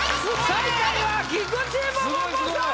最下位は菊池桃子さん！